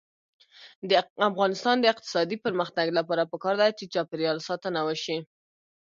د افغانستان د اقتصادي پرمختګ لپاره پکار ده چې چاپیریال ساتنه وشي.